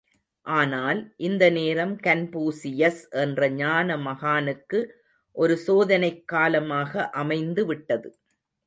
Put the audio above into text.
ஆனால், இந்த நேரம் கன்பூசியஸ் என்ற ஞான மகானுக்கு ஒரு சோதனைக் காலமாக அமைந்து விட்டது.